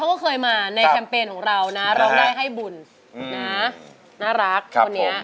เขาก็เคยมาในแคมเปญของเรานะร้องได้ให้บุญนะน่ารักคนนี้